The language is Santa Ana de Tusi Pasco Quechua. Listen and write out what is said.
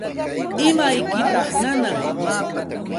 ¿Imaykitaq nanan?